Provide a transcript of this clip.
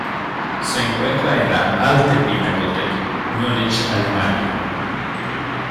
Se encuentra en la Alte Pinakothek, Múnich, Alemania.